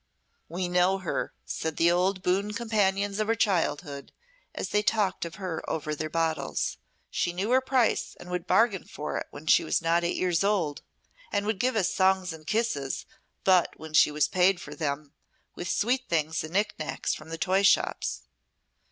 "We know her," said the old boon companions of her childhood, as they talked of her over their bottles. "She knew her price and would bargain for it when she was not eight years old, and would give us songs and kisses but when she was paid for them with sweet things and knickknacks from the toy shops.